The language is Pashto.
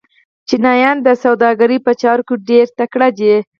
چینایان د سوداګرۍ په چارو کې ډېر تکړه دي.